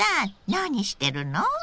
何してるの？